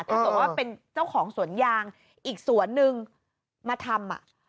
ตกว่าเป็นเจ้าของสวนยางอีกส่วนนึงมาทำอ่ะ